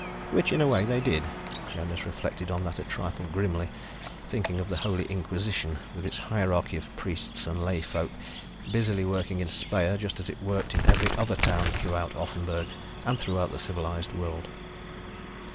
Which, in a way, they did. Jonas reflected on that a trifle grimly, thinking of the Holy Inquisition with its hierarchy of priests and lay folk, busily working in Speyer just as it worked in every other town throughout Offenburg, and throughout the civilized world.